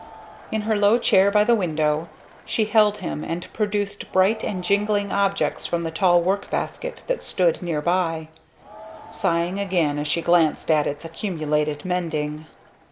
In her low chair by the window she held him and produced bright and jingling objects from the tall workbasket that stood near by, sighing again as she glanced at its accumulated mending.